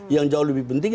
yang jauh lebih penting